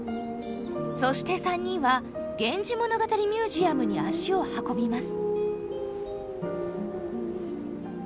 そして３人は源氏物語ミュージアムに足を運びます。